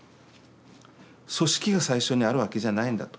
組織が最初にあるわけじゃないんだと。